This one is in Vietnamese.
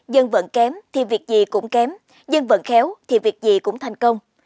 dân vận kém thì việc gì cũng kém dân vận khéo thì việc gì cũng thành công